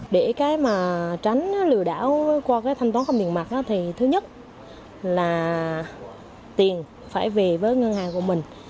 để tránh lừa đảo qua thanh toán không tiền mặt thứ nhất là tiền phải về với ngân hàng của mình